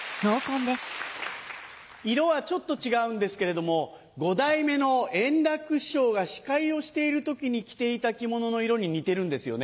色はちょっと違うんですけれども五代目の圓楽師匠が司会をしている時に着ていた着物の色に似てるんですよね。